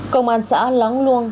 công an xã lắng luân